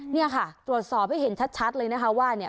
เนี่ยค่ะตรวจสอบให้เห็นชัดเลยนะคะว่าเนี่ย